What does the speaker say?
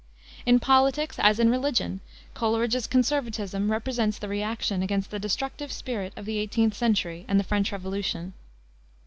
In politics, as in religion, Coleridge's conservatism represents the reaction against the destructive spirit of the eighteenth century and the French revolution.